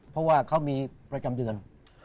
เพราะว่าเขามีประจำเดือน